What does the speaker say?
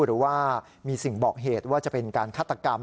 หรือว่ามีสิ่งบอกเหตุว่าจะเป็นการฆาตกรรม